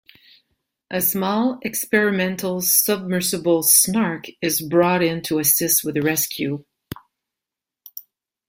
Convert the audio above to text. A small experimental submersible, "Snark", is brought in to assist with the rescue.